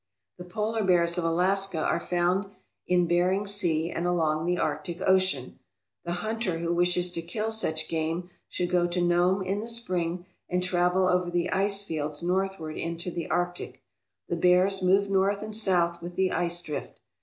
The polar bears of Alaska are found in Bering Sea and along the Arctic Ocean. The hunter who wishes to kill such game should go to Nome in the spring and travel over the icefields northward into the Arctic. The bears move north and south with the ice drift.